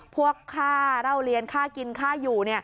พวกค่าร่าวเรียนค่ากินค่าอยู่